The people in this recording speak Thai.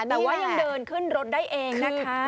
แต่ว่ายังเดินขึ้นรถได้เองนะคะ